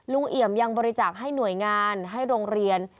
เอี่ยมยังบริจาคให้หน่วยงานให้โรงเรียน